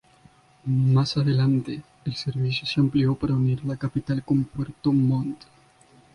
Más adelante el servicio se amplió para unir la capital con Puerto Montt.